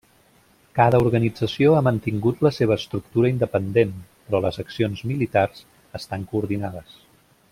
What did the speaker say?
Cada organització ha mantingut la seva estructura independent, però les accions militars estan coordinades.